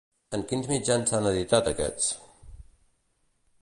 En quins mitjans s'han editat aquests?